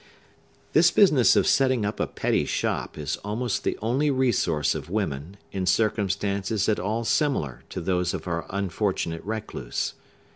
This business of setting up a petty shop is almost the only resource of women, in circumstances at all similar to those of our unfortunate recluse.